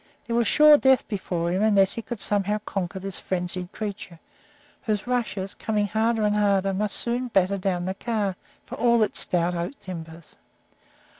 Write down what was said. There was sure death before him, unless he could somehow conquer this frenzied creature, whose rushes, coming harder and harder, must soon batter down the car, for all its stout oak timbers.